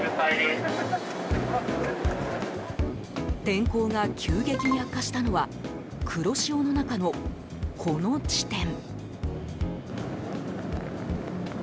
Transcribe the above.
天候が急激に悪化したのは黒潮の中の、この地点。